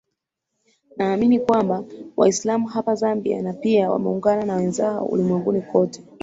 naamini kwamba waislamu hapa zambia na pia wameungana na wenzao ulimwenguni kote